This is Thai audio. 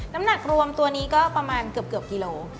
น้ำหนักรวมตัวนี้ก็ประมาณเกือบกิโล